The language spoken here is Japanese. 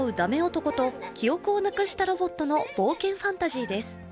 男と、記憶をなくしたロボットの冒険ファンタジーです。